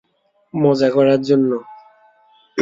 মজা করার জন্য।